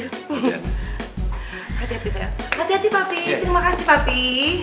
hati hati sayang hati hati papi terima kasih papi